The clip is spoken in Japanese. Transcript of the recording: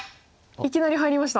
いきなり入りました。